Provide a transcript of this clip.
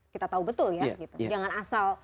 kita tahu betul ya gitu jangan asal